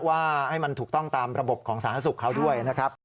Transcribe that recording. ว่าให้มันถูกต้องตามระบบของสาธารณสุขเขาด้วยนะครับ